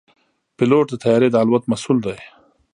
پيلوټ د طیارې د الوت مسؤل دی.